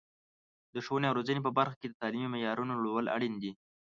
د ښوونې او روزنې په برخه کې د تعلیمي معیارونو لوړول اړین دي.